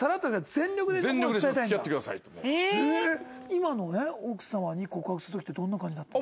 今の奥様に告白する時ってどんな感じだった？